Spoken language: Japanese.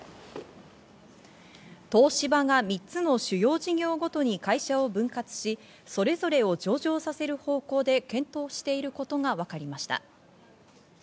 東芝が３つの主要事業ごとに会社を分割し、それぞれを上場させる方向で検討していることがわかりました。